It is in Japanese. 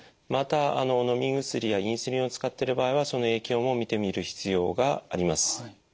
またあののみ薬やインスリンを使ってる場合はその影響も見てみる必要があります。